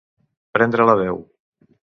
Prendre la veu.